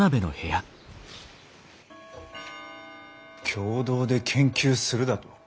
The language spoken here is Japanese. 共同で研究するだと？